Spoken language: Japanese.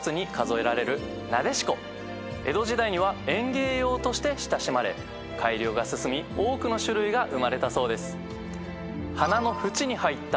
江戸時代には園芸用として親しまれ改良が進み多くの種類が生まれたそうです。